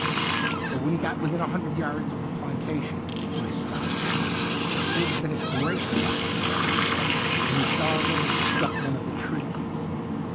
But when he got within a hun dred yards of the plantation, he stopped. There had been a great 164 THE UNDYING THING flash of lightning, and he saw that it had struck one of the trees.